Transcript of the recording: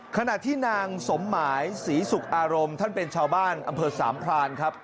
ขณะที่นางสมหมายศรีสุขอารมณ์ท่านเป็นชาวบ้านอำเภอสามพรานครับ